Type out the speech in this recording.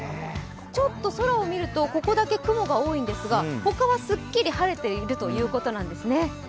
ちょっと空を見ると、ここだけ雲が多いんですが他はすっきり晴れているということなんですね。